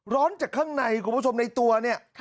ร้อนจากข้างในคุณผู้ชมในตัวเนี่ย